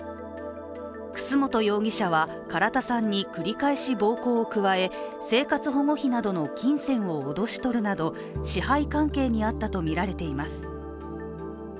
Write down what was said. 楠本容疑者は唐田さんに繰り返し暴行を加え生活保護費などの金銭を脅し取るなど支配関係にあったとみられています。